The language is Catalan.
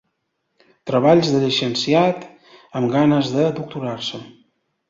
Treballs de llicenciat amb ganes de doctorar-se.